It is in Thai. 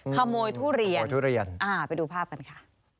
ขโมยทุเรียนไปดูภาพกันค่ะ